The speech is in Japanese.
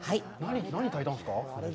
何炊いたんですか？